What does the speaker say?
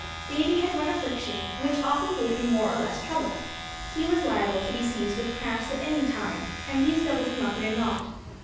Davy had one affliction, which often gave him more or less trouble. He was liable to be seized with cramps at any time; and these doubled him up in a knot.